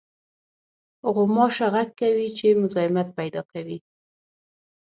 غوماشه غږ کوي چې مزاحمت پېدا کوي.